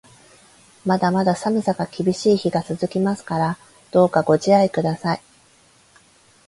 まだまだ寒さが厳しい日が続きますから、どうかご自愛ください。